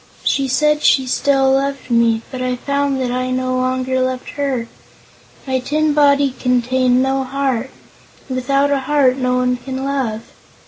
She said she still loved me, but I found that I no longer loved her. My tin body contained no heart, and without a heart no one can love.